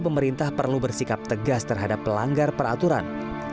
pemerintah perlu bersikap tegas terhadap pelanggar peraturan